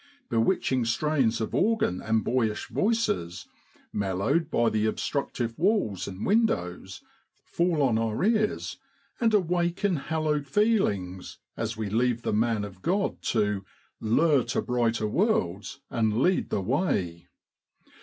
Bewitching strains of organ and boyish voices, mellowed by the obstructive walls and windows, fall on our ears, and awaken hallowed feelings as we leave the man of Grod to ' lure to brighter worlds and lead the way.'